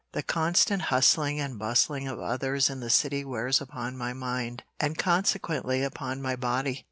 The constant hustling and bustling of others in the city wears upon my mind, and consequently upon my body.